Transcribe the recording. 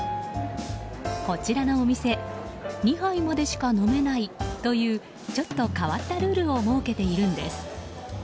こちらのお店２杯までしか飲めないというちょっと変わったルールを設けているんです。